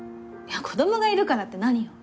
子供がいるからって何よ。